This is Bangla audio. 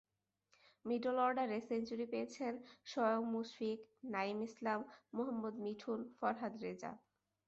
মিডল অর্ডারে সেঞ্চুরি পেয়েছেন স্বয়ং মুশফিক, নাঈম ইসলাম, মোহাম্মদ মিঠুন, ফরহাদ রেজা।